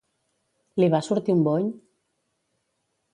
Li va sortir un bony?